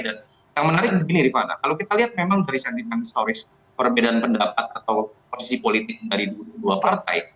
dan yang menarik begini rifat kalau kita lihat memang dari sentimen historis perbedaan pendapat atau posisi politik dari dua partai